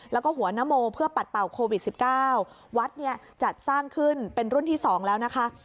แล้วก็หัวนโมเพื่อปัดเป่าโควิด๑๙วัดเนี่ยจัดสร้างขึ้นเป็นรุ่นที่๒แล้วนะคะ